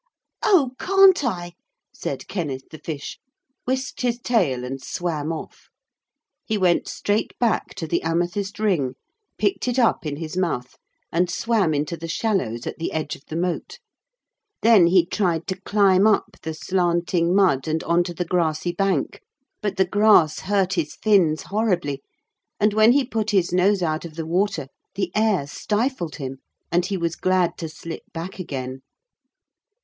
'Oh! can't I?' said Kenneth the fish, whisked his tail and swam off. He went straight back to the amethyst ring, picked it up in his mouth, and swam into the shallows at the edge of the moat. Then he tried to climb up the slanting mud and on to the grassy bank, but the grass hurt his fins horribly, and when he put his nose out of the water, the air stifled him, and he was glad to slip back again.